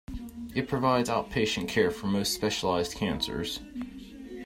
It provides outpatient care for most specialized cancers.